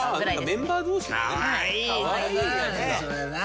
メンバー同士のね。